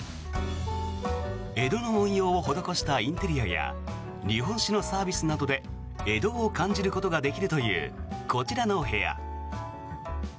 江戸の文様を施したインテリアや日本酒のサービスなどで江戸を感じることができるというこちらの部屋。